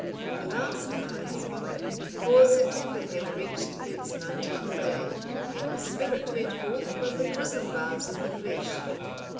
The last are as follow: "For September had reached its nineteenth day, when his spirit went forth from the prison bars of the flesh.